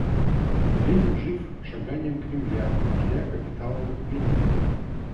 Ленин — жив шаганьем Кремля — вождя капиталовых пленников.